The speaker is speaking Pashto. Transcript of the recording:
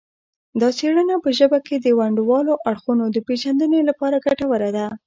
دا څیړنه په ژبه کې د ونډوالو اړخونو د پیژندنې لپاره ګټوره ده